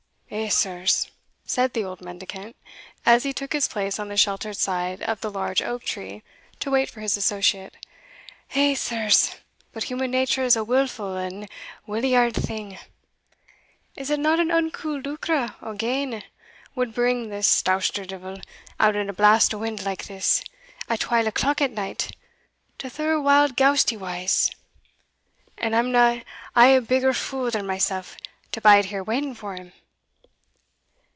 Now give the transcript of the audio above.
"Eh, sirs," said the old mendicant, as he took his place on the sheltered side of the large oak tree to wait for his associate "Eh, sirs, but human nature's a wilful and wilyard thing! Is it not an unco lucre o' gain wad bring this Dousterdivel out in a blast o' wind like this, at twal o'clock at night, to thir wild gousty wa's? and amna I a bigger fule than himsell to bide here waiting for him?"